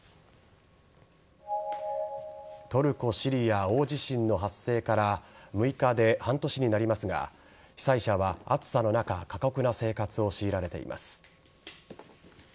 トルコ・シリア大地震の発生から６日で半年になりますが被災者は暑さの中過酷な生活を強いられています。